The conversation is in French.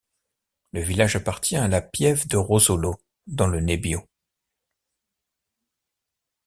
Le village appartient à la piève de Rosolo, dans le Nebbio.